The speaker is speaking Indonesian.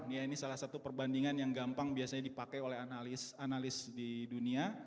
ya ini salah satu perbandingan yang gampang biasanya dipakai oleh analis analis di dunia